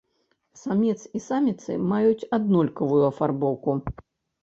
Самец і саміцы маюць аднолькавую афарбоўку.